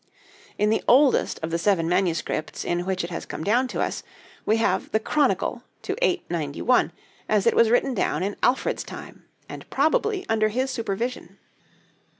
In the oldest of the seven MSS. in which it has come down to us, we have the 'Chronicle' to 891, as it was written down in Alfred's time and probably under his supervision.